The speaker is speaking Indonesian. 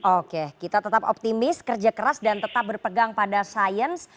oke kita tetap optimis kerja keras dan tetap berpegang pada sains